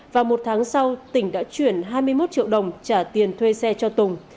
vào một tháng sau tỉnh đã chuyển hai mươi một triệu đồng trả tiền thuê xe cho tùng